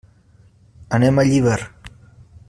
Anem a Llíber.